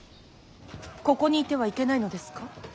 ここにいてはいけないのですか。